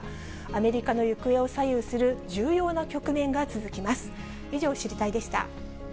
アメリカの行方を左右する重要な局面が続きます。